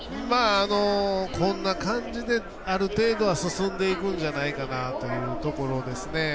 こんな感じである程度は進んでいくんじゃないかなというところですね。